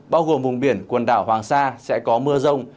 bao gồm vùng biển quần đảo hoàng sa sẽ có mưa rông